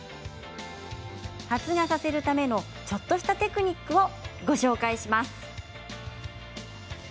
発芽させるためのちょっとしたテクニックをご紹介します。